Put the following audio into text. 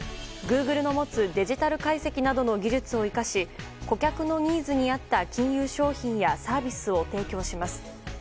グーグルの持つデジタル解析などの技術を生かし顧客のニーズに合った金融商品やサービスを提供します。